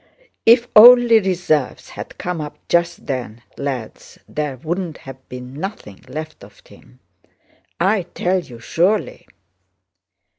"If only reserves had come up just then, lads, there wouldn't have been nothing left of him! I tell you surely...."